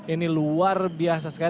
ini luar biasa sekali